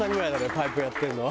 パイプやってるの。